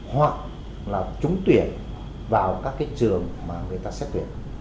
hoặc là trúng tuyển vào các cái trường mà người ta xét tuyển